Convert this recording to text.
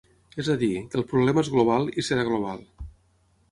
És a dir, que el problema és global i serà global.